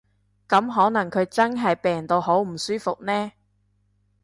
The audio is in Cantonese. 噉可能佢真係病到好唔舒服呢